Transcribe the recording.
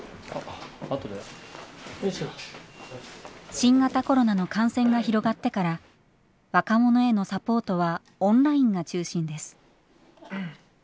新型コロナの感染が広がってから若者へのサポートはオンラインが中心です。